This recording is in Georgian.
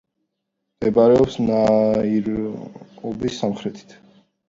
მდებარეობს ნაირობის სამხრეთით.